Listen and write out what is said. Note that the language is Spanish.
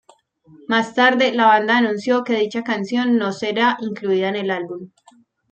Más tarde la banda anunció que dicha canción no será incluida en el álbum.